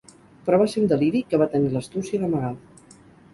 Però va ser un deliri que va tenir l'astúcia d'amagar.